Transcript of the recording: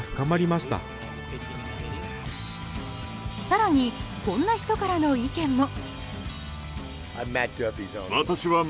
更にこんな人からの意見も。